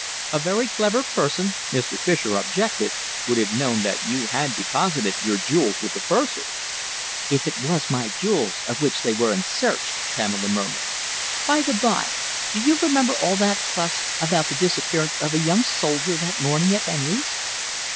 "A very clever person," Mr. Fischer objected, "would have known that you had deposited your jewels with the purser." "If it was my jewels of which they were in search," Pamela murmured. "By the bye, do you remember all that fuss about the disappearance of a young soldier that morning at Henry's?"